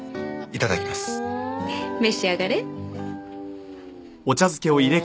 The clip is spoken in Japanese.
召し上がれ。